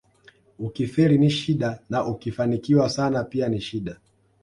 Ukifeli ni shida na ukifanikiwa sana pia ni shida